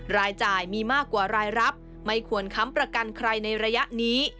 รายจ่ายมีมากกว่ารายรับไม่ควรค้ำประกันใครในระยะนี้